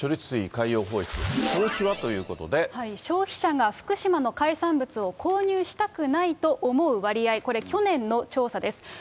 水海洋放出、消費はとい消費者が福島の海産物を購入したくないと思う割合、これ、去年の調査です。